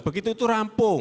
begitu itu rampung